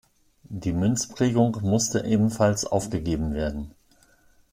Die Münzprägung musste ebenfalls aufgegeben werden.